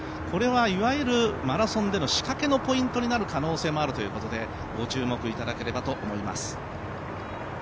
これはいわゆるマラソンでの仕掛けのポイントになる可能性があるということでご注目いただければと思います。